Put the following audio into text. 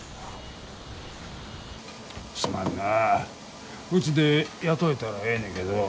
すまんなうちで雇えたらええねけど。